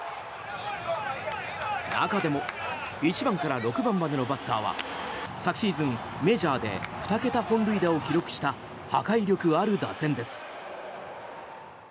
中でも１番から６番までのバッターは昨シーズンメジャーで２桁本塁打を記録した破壊力ある打線です。